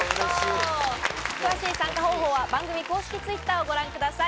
詳しい参加方法は番組公式Ｔｗｉｔｔｅｒをご覧ください。